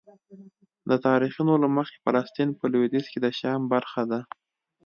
د تاریخونو له مخې فلسطین په لویدیځ کې د شام برخه ده.